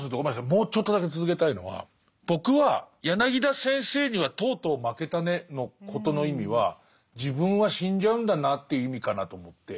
もうちょっとだけ続けたいのは僕は柳田先生にはとうとう負けたねのことの意味は自分は死んじゃうんだなという意味かなと思って。